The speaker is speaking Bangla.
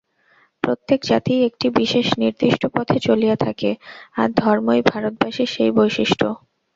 প্রত্যেক জাতিই একটি বিশেষ নির্দিষ্ট পথে চলিয়া থাকে, আর ধর্মই ভারতবাসীর সেই বৈশিষ্ট্য।